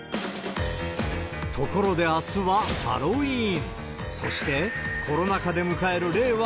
ところであすはハロウィーン。